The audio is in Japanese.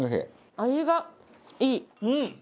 味がいい。